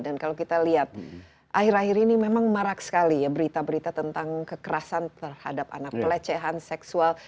dan kalau kita lihat akhir akhir ini memang marak sekali ya berita berita tentang kekerasan terhadap anak pelecehan seksual